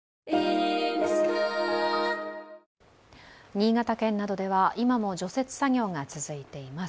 新潟県などでは、今も除雪作業が続いています。